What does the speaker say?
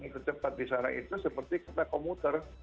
dan kecepatan di sana itu seperti kereta komuter